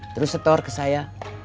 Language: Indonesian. terus setor ke saya